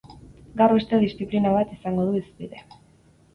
Gaur beste disciplina bat izango du hizpide.